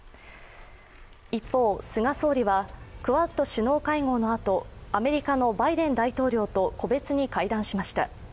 一方、菅総理はクアッド首脳会合のあと、アメリカのバイデン大統領と個別に会談しました。